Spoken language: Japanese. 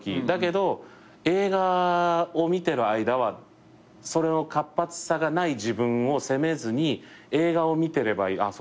だけど映画を見てる間は活発さがない自分を責めずに映画を見てればいい。